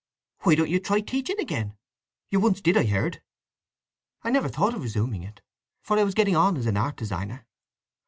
"Why don't you try teaching again? You once did, I heard." "I never thought of resuming it; for I was getting on as an art designer."